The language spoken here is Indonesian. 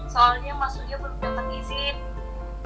soalnya mas surya belum dapat izin